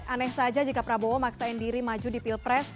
aneh saja jika prabowo maksain diri maju di pilpres